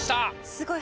すごい。